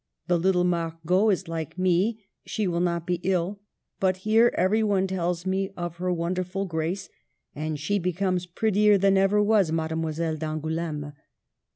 The little Margot is like me : she will not be ill. But here every one tells me of her won derful grace, and she becomes prettier than ever was Mademoiselle d'Angouleme."